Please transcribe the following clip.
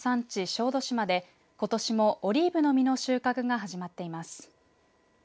小豆島でことしもオリーブの実の収穫が始まっています。